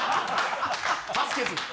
助けず。